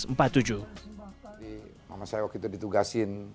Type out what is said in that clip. maksudnya waktu itu ditugasin